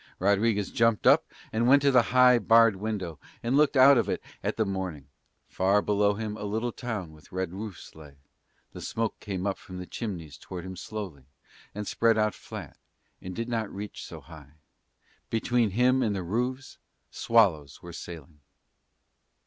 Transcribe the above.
Rodriguez jumped up and went to the high, barred window and looked out of it at the morning: far below him a little town with red roofs lay; the smoke came up from the chimneys toward him slowly, and spread out flat and did not reach so high. Between him and the roofs swallows were sailing.